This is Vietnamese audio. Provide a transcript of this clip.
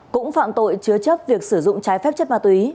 cũng phạm tội chứa chấp việc sử dụng trái phép chất ma túy